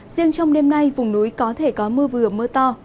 riêng trong đêm nay vùng núi có thể có mưa vừa mưa to